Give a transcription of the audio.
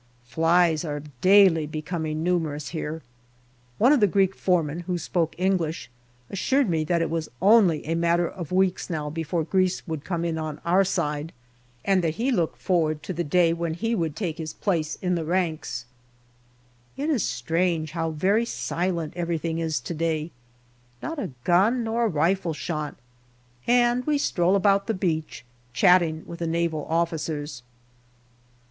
Flies are daily be coming numerous here. One of the Greek foremen, who spoke English, assured me that it was only a matter of weeks now before Greece would come in on our side, and that he looked forward to the day when he would take his place in the ranks. 72 GALLIPOLI DIARY It is strange how very silent everything is to day not a gun nor a rifle shot and we stroll about the beach chatting with the Naval officers.